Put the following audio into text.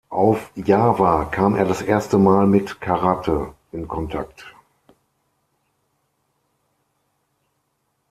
Auf Java kam er das erste Mal mit Karate in Kontakt.